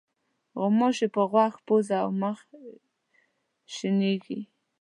غوماشې په غوږ، پوزه او مخ شېنېږي.